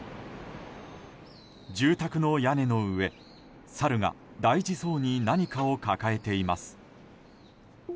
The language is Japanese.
住宅の屋根の上サルが大事そうに何かを抱えています。